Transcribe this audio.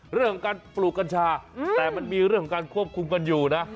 เรื่องของการปลูกกัญชาแต่มันมีเรื่องของการควบคุมกันอยู่นะ